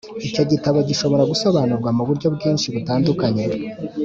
icyo gitabo gishobora gusobanurwa mu buryo bwinshi butandukanye.